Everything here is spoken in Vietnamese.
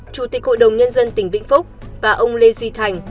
chủ tịch hội đồng nhân dân tỉnh vĩnh phúc và ông lê duy thành